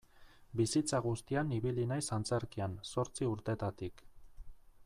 Bizitza guztian ibili naiz antzerkian, zortzi urtetatik.